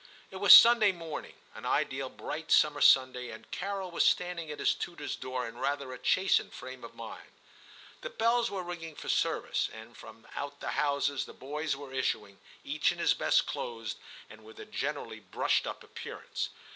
It was Sunday morning, an ideal bright summer Sunday, and Carol was standing at his tutor's door in rather a chastened frame of mind. The bells were ringing for service, and from out the houses the boys were issuing, each in his best clothes and with a generally brushed up appearance.